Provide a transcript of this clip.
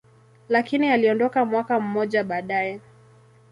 lakini aliondoka mwaka mmoja baadaye.